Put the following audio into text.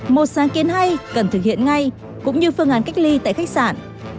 một sáng kiến hay cần thực hiện ngay cũng như phương án cách ly tại khách sạn